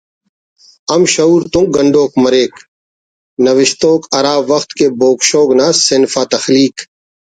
ہم شعور تون گنڈوک مریک نوشتوک ہرا وخت کہ بوگ شوگ نا صنف آ تخلیق